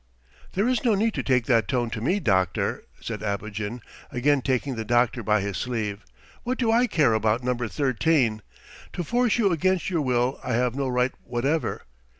"There is no need to take that tone to me, doctor!" said Abogin, again taking the doctor by his sleeve. "What do I care about No. XIII! To force you against your will I have no right whatever.